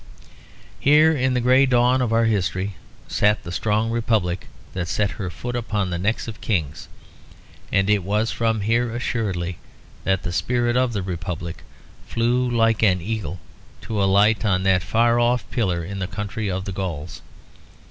Here in the grey dawn of our history sat the strong Republic that set her foot upon the necks of kings; and it was from here assuredly that the spirit of the Republic flew like an eagle to alight on that far off pillar in the country of the Gauls.